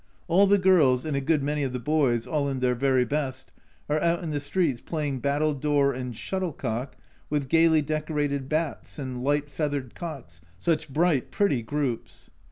All the girls, and a good many of the boys, all in their very best, are out in the streets playing battledore and shuttlecock with gaily decorated bats and light feathered cocks such bright, pretty groups.